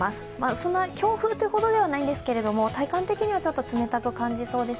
そんな強風というほどではないんですが、体感的には冷たく感じそうです。